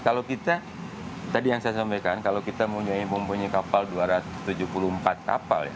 kalau kita tadi yang saya sampaikan kalau kita mempunyai kapal dua ratus tujuh puluh empat kapal ya